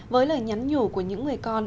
với lời nhắn nhủ của những người con